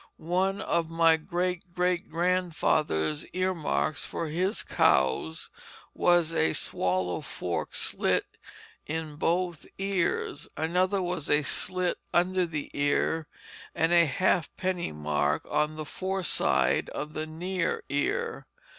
One of my great great grandfather's earmarks for his cows was a "swallow fork slit in both ears"; another was a slit under the ear and a "half penny mark on the foreside of the near ear."